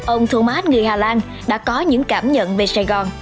ông thomas người hà lan đã có những cảm nhận về sài gòn